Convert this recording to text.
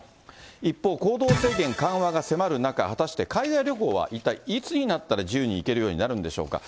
一方、行動制限緩和が迫る中、果たして海外旅行は一体いつになったら自由に行けるようになるんでしょうか。